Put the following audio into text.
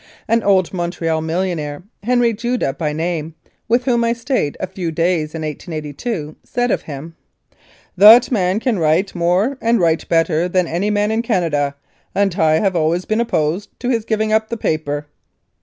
An old Montreal million aire, Henry Judah by name, with whom I stayed a few days in 1882, said of him : "That man can write more and write better than any man in Canada, and I have always been opposed to his giving up the paper."